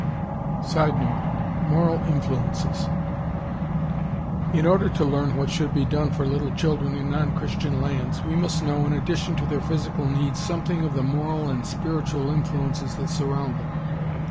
[Sidenote: Moral influences.] In order to learn what should be done for little children in non Christian lands, we must know in addition to their physical needs something of the moral and spiritual influences that surround them.